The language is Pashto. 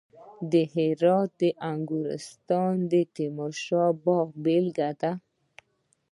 د هرات د انګورستان د تیموري باغونو بېلګه ده